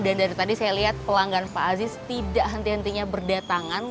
dan dari tadi saya lihat pelanggan pak aziz tidak henti hentinya berdatangan